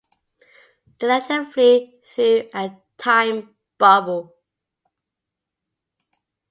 The Legion flee through a Time Bubble.